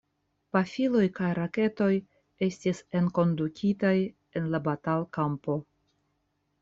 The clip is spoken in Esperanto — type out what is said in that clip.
Pafiloj kaj raketoj estis enkondukitaj en la batalkampo.